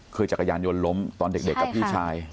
คือจักรยานยนต์ล้มตอนเด็กกับพี่ชาย